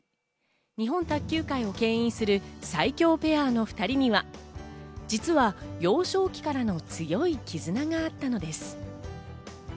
日本卓球界をけん引する、最強ペアの２人には実は幼少期からの強いきずながあったのです。